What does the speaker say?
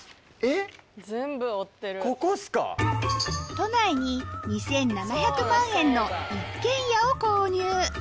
都内に２７００万円の一軒家を購入